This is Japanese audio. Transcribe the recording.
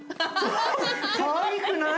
かわいくない？